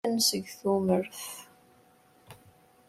Mmuten seg tumert.